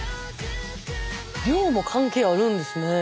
量も関係あるんですね。